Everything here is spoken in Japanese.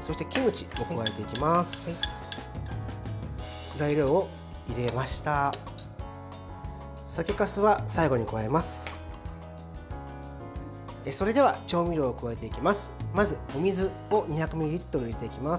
それでは調味料を加えていきます。